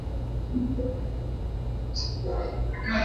Uzuni ya mutu isikuwe furaha kwako